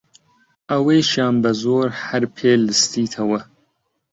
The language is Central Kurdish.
ئەوەیشیان بە زۆر هەر پێ لستیتەوە!